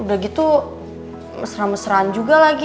udah gitu mesra mesraan juga lagi